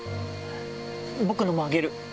僕のもあげる。